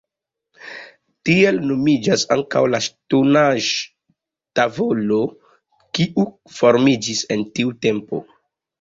Tiel nomiĝas ankaŭ la ŝtonaĵ-tavolo, kiu formiĝis en tiu tempo.